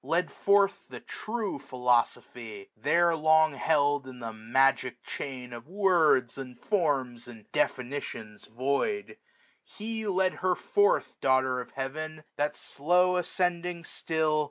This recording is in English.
Led forth the true Philosophy, there long Held in the magic chain of words and forms, 1545 And definitions void : he led her forth. Daughter of Heaven ! that slow ascending still.